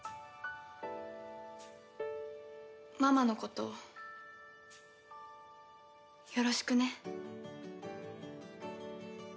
ママのことよろしくね。